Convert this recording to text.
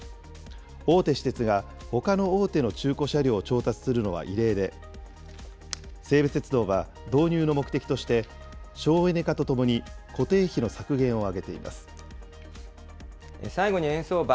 大手私鉄がほかの大手の中古車両を調達するのは異例で、西武鉄道は導入の目的として、省エネ化とともに、固定費の削減を挙げてい最後に円相場。